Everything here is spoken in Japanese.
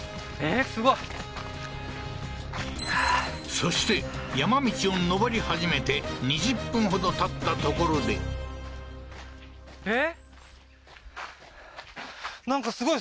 そして山道を登り始めて２０分ほどたったところでえっ？